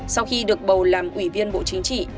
sau khi được bầu làm ủy viên bộ chính trị